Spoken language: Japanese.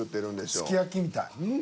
すき焼きみたい。